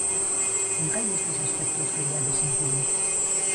En cal destes aspectos queriades incidir?